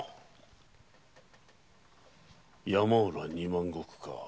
山浦二万石か。